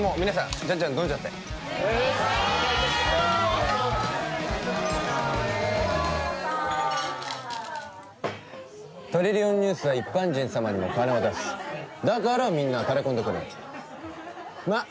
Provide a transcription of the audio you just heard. ジャンジャン飲んじゃって「トリリオンニュース」は一般人様にも金を出すだからみんなタレこんでくれるまっ